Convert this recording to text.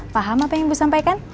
paham apa yang ibu sampaikan